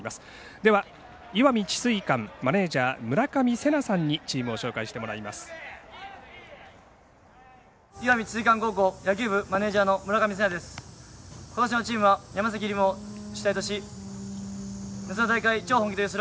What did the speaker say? では、石見智翠館マネージャー村上世直さんにチームを紹介してもらいます。